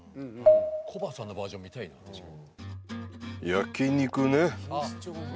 「コバさんのバージョン見たいな確かに」